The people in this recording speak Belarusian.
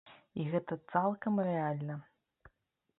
І гэта цалкам рэальна.